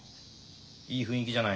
いい雰囲気じゃない？